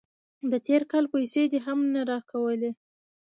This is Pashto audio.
د تیر کال پیسې دې هم نه راکولې.